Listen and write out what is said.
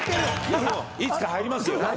いつか入りますよ。